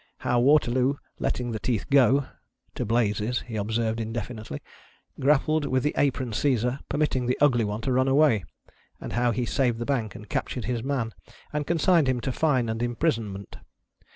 Arid being asked if the Blazes, he observed indefinitely) grappled with the apron seizer, permitting the ugly one to run away ; and how he saved the Dank, and captured his man, and consigned lirn to fine and imprisonment.